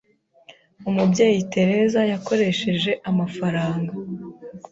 Umubyeyi Teresa yakoresheje amafaranga